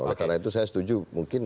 oleh karena itu saya setuju mungkin